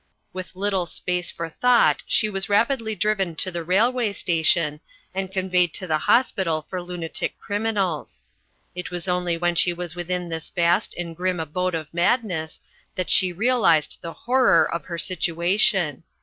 With little space for thought she was rapidly driven to the railway station, and conveyed to the Hospital for Lunatic Criminals. It was only when she was within this vast and grim abode of madness that she realized the horror of her situation.